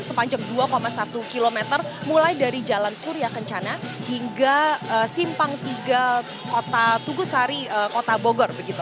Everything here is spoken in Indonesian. sepanjang dua satu km mulai dari jalan surya kencana hingga simpang tiga kota tugusari kota bogor